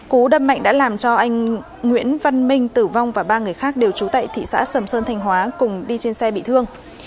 cú đâm mạnh đã làm cho anh nguyễn văn minh tử vong và ba người khác đều trú tại thị xã sầm sơn thanh hóa cùng đi trên xe bị thương